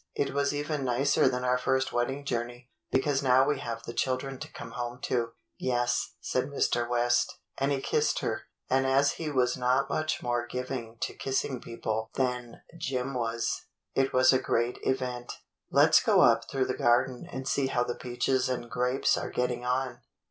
"It was even nicer than our first wedding journey, because now we have the children to come home to." "Yes," said Mr. West, and he kissed her, and as he was not much more given to kissing people than Jim was, it was a great event. "Let's go up through the garden and see how the peaches and grapes are getting on.